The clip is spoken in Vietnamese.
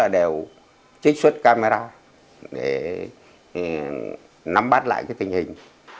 đều trích xuất camera để nắm bắt lại tình hình